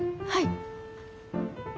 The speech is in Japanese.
はい。